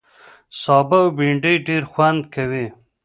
سابه او بېنډۍ ډېر خوند کوي